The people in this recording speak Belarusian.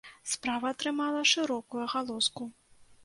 Справа атрымала шырокую агалоску.